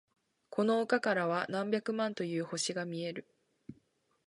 この丘からは何百万という星が見える。